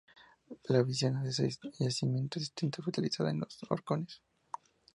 La obsidiana de seis yacimientos distintos fue utilizada en Los Horcones.